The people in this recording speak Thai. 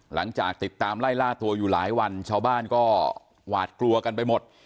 หลังจากติดตามไล่ล่าตัวอยู่หลายวันชาวบ้านก็หวาดกลัวกันไปหมด